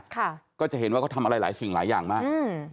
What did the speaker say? ก็จะเห็นว่าเขาทำอะไรหลายสิ่งหลายอย่างมากอืม